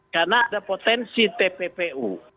karena ada potensi tppu